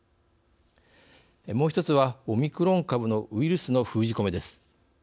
もう１つはオミクロン株のウイルスの封じ込めです。